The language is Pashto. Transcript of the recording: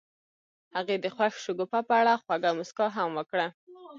هغې د خوښ شګوفه په اړه خوږه موسکا هم وکړه.